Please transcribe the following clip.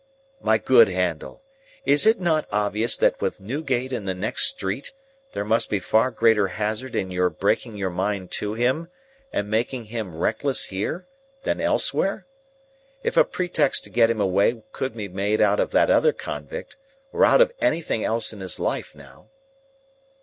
"My good Handel, is it not obvious that with Newgate in the next street, there must be far greater hazard in your breaking your mind to him and making him reckless, here, than elsewhere? If a pretext to get him away could be made out of that other convict, or out of anything else in his life, now."